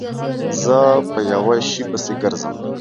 زه په یوه شي پسې گرځم